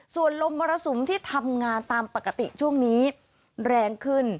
ส่วนลมมรสุมที่ทำงานตามปกติช่วงนี้แรงขึ้น